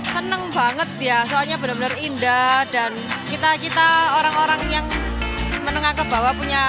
seneng banget ya soalnya benar benar indah dan kita kita orang orang yang menengah ke bawah punya